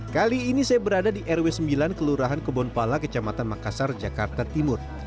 kali ini saya berada di rw sembilan kelurahan kebonpala kecamatan makassar jakarta timur